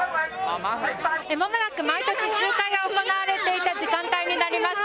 まもなく、毎年集会が行われていた時間帯になります。